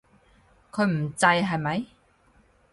佢唔制，係咪？